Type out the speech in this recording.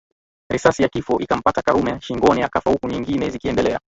Risasi ya kifo ikampata Karume shingoni akafa huku nyingine zikiendelea